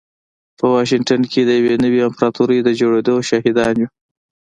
په واشنګټن کې د يوې نوې امپراتورۍ د جوړېدو شاهدان يو.